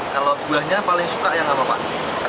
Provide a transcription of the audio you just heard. kalau buahnya paling suka yang apa pak